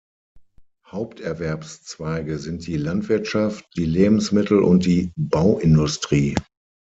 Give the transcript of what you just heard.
Haupterwerbszweige sind die Landwirtschaft, die Lebensmittel- und die Bauindustrie.